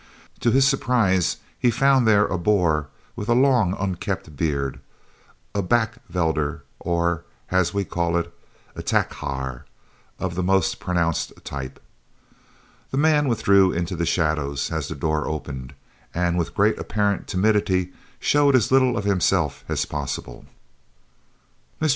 To his surprise he found there a Boer with a long, unkempt beard a "backvelder," or, as we call it, a "takhaar," of the most pronounced type. The man withdrew into the shadows as the door opened, and with great apparent timidity showed as little of himself as possible. Mr.